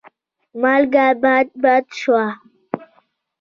مالګه باد باد شوه.